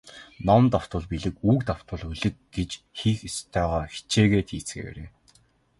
Ном давтвал билиг, үг давтвал улиг гэж хийх ёстойгоо хичээгээд хийцгээгээрэй.